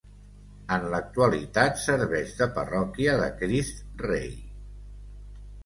En l'actualitat serveix de parròquia de Crist Rei.